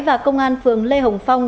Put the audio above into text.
và công an phường lê hồng phong